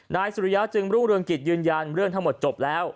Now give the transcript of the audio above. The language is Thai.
นายสุริยะจึงรุ่งเรืองกิจยืนยันเรื่องทั้งหมดจบแล้ว